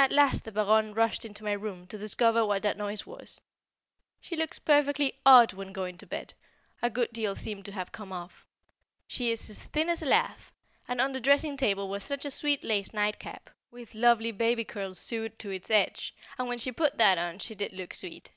At last the Baronne rushed into my room to discover what the noise was. She looks perfectly odd when going to bed; a good deal seemed to have come off; she is as thin as a lath; and on the dressing table was such a sweet lace nightcap, with lovely baby curls sewed to its edge, and when she put that on she did look sweet.